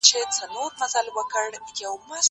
واښه راوړه!؟